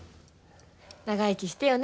長生きしてよね